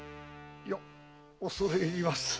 いや恐れ入ります。